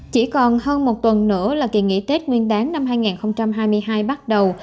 chỉ còn hơn một tuần nữa là kỳ nghỉ tết nguyên đáng năm hai nghìn hai mươi hai bắt đầu